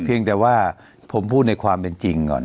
เพียงแต่ว่าผมพูดในความเป็นจริงก่อน